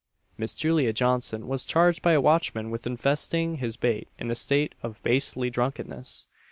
Miss Julia Johnson was charged by a watchman with infesting his bate in a state of bastely drunkenness.